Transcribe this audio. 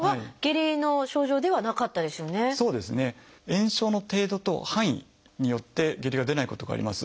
炎症の程度と範囲によって下痢が出ないことがあります。